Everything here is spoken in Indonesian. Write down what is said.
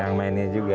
yang mainin juga